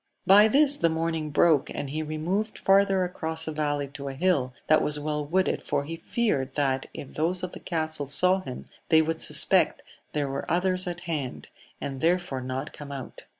By this the morning broke, and he removed farther across a valley to a hill that was well wooded, for he feared that if those of the castle saw him they would suspect there were others at hand, and therefore not come out.